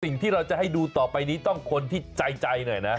สิ่งที่เราจะให้ดูต่อไปนี้ต้องคนที่ใจหน่อยนะ